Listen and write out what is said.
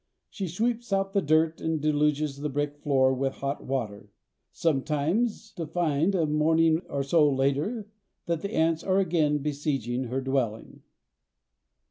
She sweeps out the dirt and deluges the brick floor with hot water, sometimes to find, a morning or so later, that the ants are again besieging her dwelling.